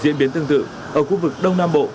diễn biến tương tự ở khu vực đông nam bộ